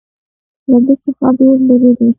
له ده څخه ډېر لرې دي.